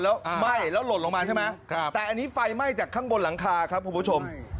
แล้วไหม้แล้วหล่นลงมาใช่ไหมแต่อันนี้ไฟไหม้จากข้างบนหลังคาครับคุณผู้ชม